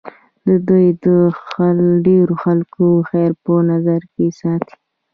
دوی د ډېرو خلکو خیر په نظر کې ساتي.